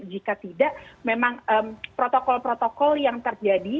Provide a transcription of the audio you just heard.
jika tidak memang protokol protokol yang terjadi